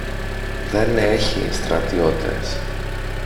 Δεν έχει στρατιώτες.